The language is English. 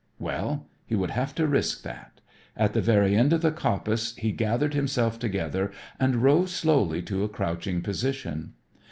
Well, he would have to risk that. At the very end of the coppice he gathered himself together and rose slowly to a crouching position.